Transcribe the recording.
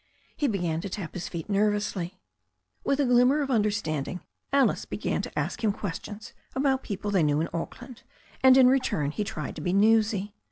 He began to tap his feet nervously. With a glimmer of understanding Alice began to ask him questions about people they knew in Auckland, and in return he tried to be newsy.